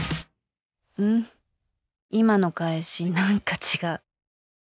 今の返し何か違う。